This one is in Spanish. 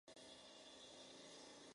Es la segunda pista en el álbum.